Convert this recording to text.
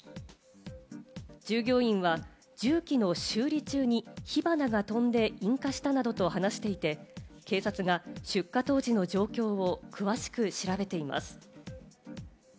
従業員は重機の修理中に火花が飛んで引火したなどと話していて、警察が出火当時の状況を詳しく調べています。